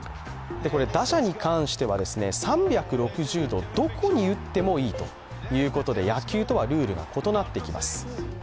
打者に関しては、３６０度、どこに打ってもいいということで野球とはルールが異なってきます。